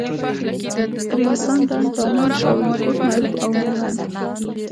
ریګستان، ډنډ، دامان، شاولیکوټ، معروف او میوند.